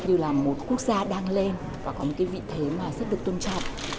như là một quốc gia đang lên và có một vị thế rất được tôn trọng